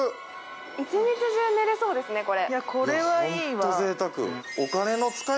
一日中寝れそうですね、これ。